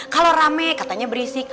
kalau rame katanya berisik